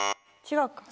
違うか。